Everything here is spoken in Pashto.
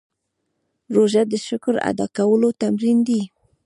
روژه د شکر ادا کولو تمرین دی.